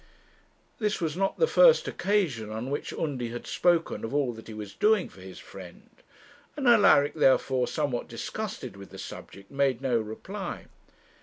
This was not the first occasion on which Undy had spoken of all that he was doing for his friend, and Alaric therefore, somewhat disgusted with the subject, made no reply.